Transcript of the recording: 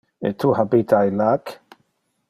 E tu habita illac?